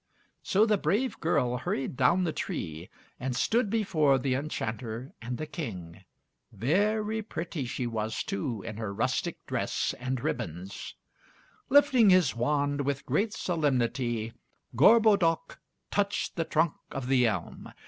So the brave girl hurried down the tree, and stood before the enchanter and the King. Very pretty she was, too, in her rustic dress and ribbons. Lifting his wand with great solemnity, Gorbodoc touched the trunk of the elm.